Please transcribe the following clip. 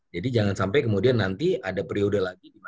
jadi jangan sampai kemudian nanti ada periode lagi